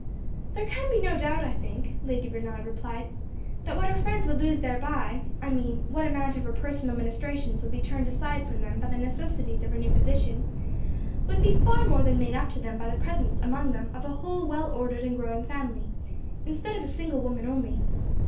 "There can be no doubt, I think," Lady Bernard replied, "that what her friends would lose thereby I mean, what amount of her personal ministrations would be turned aside from them by the necessities of her new position would be far more than made up to them by the presence among them of a whole well ordered and growing family, instead of a single woman only.